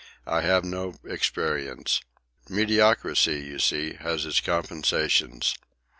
I have no experience. Mediocrity, you see, has its compensations."